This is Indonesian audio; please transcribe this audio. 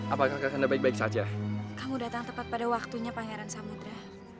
apakah anda baik baik saja kamu datang tepat pada waktunya pangeran samudera